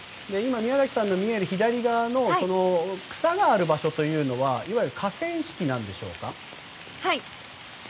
宮崎さんの左側の草がある場所というのはいわゆる河川敷なんでしょうか。